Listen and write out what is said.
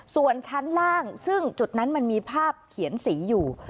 ส่วนชั้นล่างซึ่งจุดนั้นมันมีภาพเขียนสีอยู่